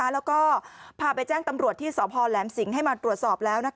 แล้วก็พาไปแจ้งตำรวจที่สพแหลมสิงให้มาตรวจสอบแล้ว